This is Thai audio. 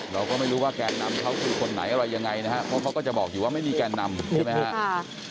เราก็ไม่รู้ว่าแกนนำเขาคือคนไหนอะไรยังไงนะครับเพราะเขาก็จะบอกอยู่ว่าไม่มีแกนนำใช่ไหมครับ